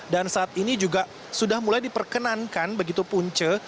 dan saat ini juga sudah mulai diperkenankan begitu punce